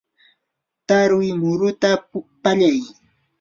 tarwi muruta pallay.